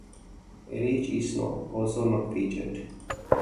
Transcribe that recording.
Erech is also not featured.